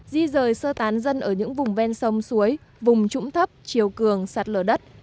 di rời sơ tán dân ở những vùng ven sông suối vùng trũng thấp chiều cường sạt lở đất